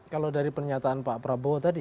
kalau dari pernyataan pak prabowo tadi